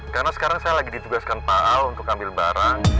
karena sekarang saya lagi ditugaskan pak al untuk ambil barang